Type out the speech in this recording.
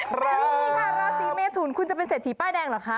นี่ค่ะราศีเมทุนคุณจะเป็นเศรษฐีป้ายแดงเหรอคะ